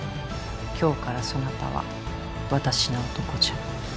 今日からそなたは私の男じゃ。